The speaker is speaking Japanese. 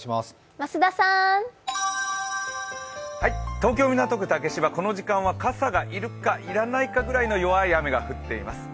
東京・港区竹芝、この時間は傘がいるかいらないかぐらいの弱い雨が降っています。